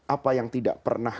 apa yang tidak pernah